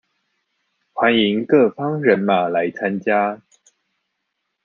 歡迎各方人馬來參加